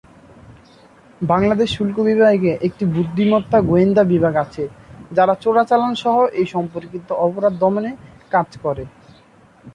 বাংলাদেশ শুল্ক বিভাগে একটি বুদ্ধিমত্তা গোয়েন্দা বিভাগ আছে যারা চোরাচালান সহ এই সম্পর্কিত অপরাধ দমনে কাজ করে।